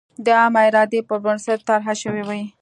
د عامه ارادې پر بنسټ طرحه شوې وي.